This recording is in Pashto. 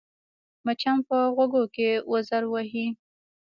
مچان په غوږو کې وزر وهي